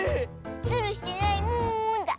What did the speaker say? ズルしてないもんだ。